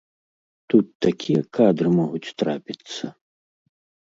Тут такія кадры могуць трапіцца!